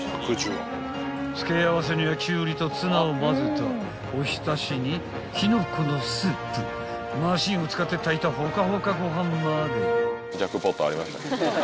［付け合わせにはキュウリとツナをまぜたおひたしにきのこのスープマシンを使って炊いたほかほかご飯まで］